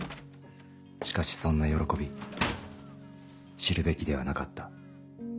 しかしそんな喜び知るべきではなかった。